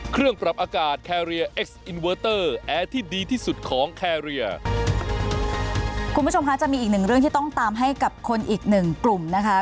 คุณผู้ชมคะจะมีอีกหนึ่งเรื่องที่ต้องตามให้กับคนอีกหนึ่งกลุ่มนะคะ